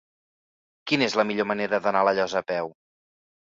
Quina és la millor manera d'anar a La Llosa a peu?